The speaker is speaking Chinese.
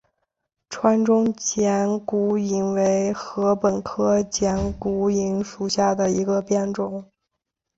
川中剪股颖为禾本科剪股颖属下的一个变种。